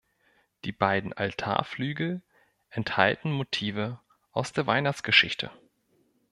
Die beiden Altarflügel enthalten Motive aus der Weihnachtsgeschichte.